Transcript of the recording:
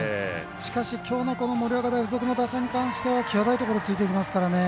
しかし、今日の盛岡大付属の打線に関しては際どいところもついてきますからね。